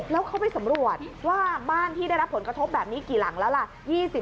แล้วเขาไปสำรวจว่าบ้านที่ได้รับผลกระทบแบบนี้กี่หลังแล้วล่ะ